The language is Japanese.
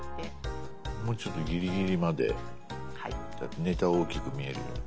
もうちょっとギリギリまでネタを大きく見えるように。